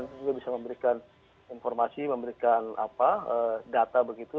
kita juga bisa memberikan informasi memberikan data begitu